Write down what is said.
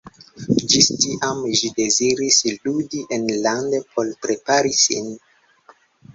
Ĝis tiam ĝi deziris ludi enlande por prepari sin.